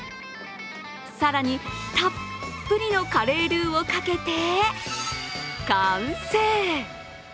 更にたっぷりのカレールーをかけて完成。